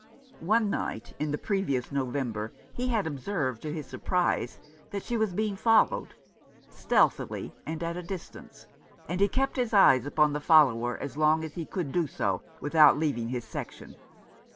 One night in the previous November he had observed, to his surprise, that she was being followed — stealthily, and at a distance — and he kept his eye upon the follower as long as he could do so without leaving his section.